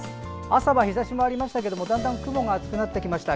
朝は日ざしもありましたけどだんだん雲が厚くなってきました。